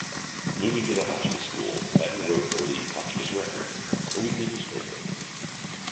Moving to the Hotchkiss School, Hadden wrote for the "Hotchkiss Record", a weekly newspaper.